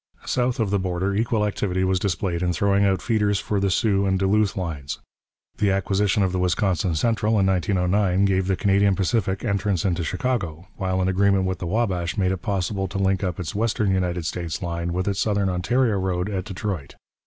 South of the border equal activity was displayed in throwing out feeders for the Soo and Duluth lines. The acquisition of the Wisconsin Central in 1909 gave the Canadian Pacific entrance into Chicago, while an agreement with the Wabash made it possible to link up its western United States lines with its southern Ontario road at Detroit.